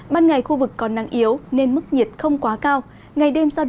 ban ngày khu vực còn nắng yếu nên mức nhiệt không quá cao ngày đêm do động từ hai mươi ba ba mươi ba độ